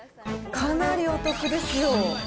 かなりお得ですよ。